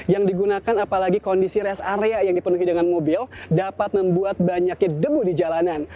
yang digunakan apalagi kondisi rest area yang dipenuhi dengan mobil dapat membuat banyaknya debu di jalanan